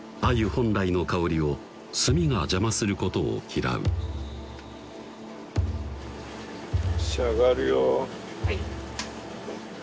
本来の香りを炭が邪魔することを嫌う仕上がるよ